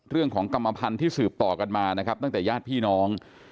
เรื่องของกรรมพันธุ์ที่สืบป่อกันมานะครับตั้งแต่ญาติพี่น้อง